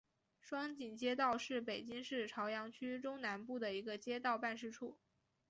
双井街道是北京市朝阳区中南部的一个街道办事处。